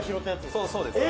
そうです。